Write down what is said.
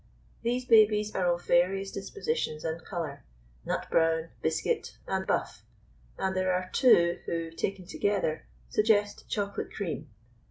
These babies are of various dispositions and colour nut brown, biscuit, and buff; and there are two who, taken together, suggest chocolate cream.